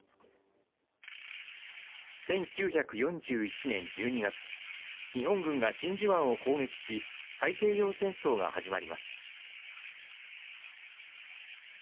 １９４１年１２月、日本軍が真珠湾を攻撃し、太平洋戦争が始まります。